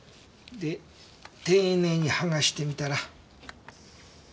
で丁寧にはがしてみたら。